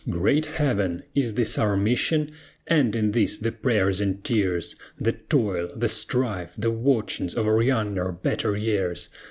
Great Heaven! Is this our mission? End in this the prayers and tears, The toil, the strife, the watchings of our younger, better years?